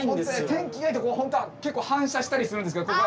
天気がいいとホントは結構反射したりするんですけどここ。